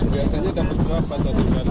biasanya dapat berapa seikhlas